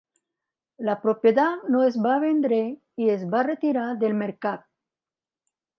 La propietat no es va vendre i es va retirar del mercat.